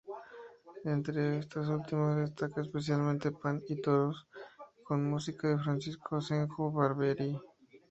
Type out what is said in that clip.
Entre estas últimas destaca especialmente "Pan y toros", con música de Francisco Asenjo Barbieri.